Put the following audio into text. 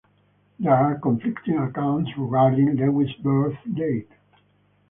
There are conflicting accounts regarding Lewis's birth date.